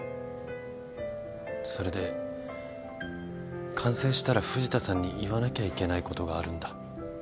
それで完成したら藤田さんに言わなきゃいけないことがあるんだ。